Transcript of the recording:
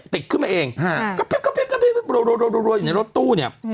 ขึ้นมาเองก็รัวอยู่ในรถตู้เนี่ย